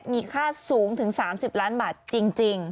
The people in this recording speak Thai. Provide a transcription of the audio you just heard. มีค่าสูงถึง๓๐ล้านบาทจริง